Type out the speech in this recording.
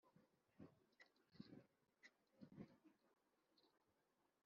Ingingo ya kane Gahunda yo kuvugurura